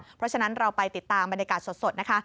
เพราะฉะนั้นเราไปติดตามบรรยากาศสดนะคะ